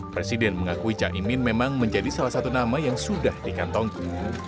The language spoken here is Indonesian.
presiden mengakui caimin memang menjadi salah satu nama yang sudah dikantongi